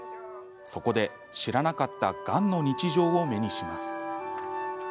そこで、知らなかったがんの日常を目にします。